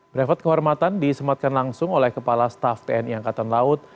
brevet kehormatan disematkan langsung oleh kepala staff tni angkatan laut